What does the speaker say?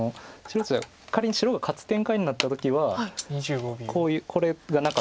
仮に白が勝つ展開になった時はこういうこれがなかったんですよね。